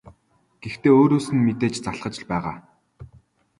Гэхдээ өөрөөс нь мэдээж залхаж л байгаа.